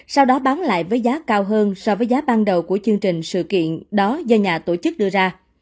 sau đó bán lại với giá cao hơn so với giá ban đầu của chương trình sự kiện đó do nhà tổ chức đưa ra